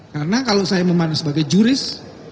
karena kalau saya memanah sebagai juris